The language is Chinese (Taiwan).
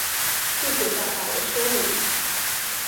謝謝大大的說明